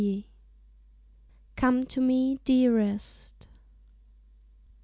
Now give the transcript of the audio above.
COME TO ME, DEAREST.